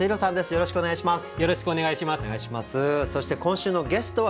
よろしくお願いします。